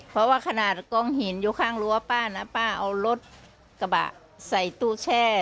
เพราะว่าขนาดกองหินอยู่ข้างรั้วป้านะป้าเอารถกระบะใส่ตู้แช่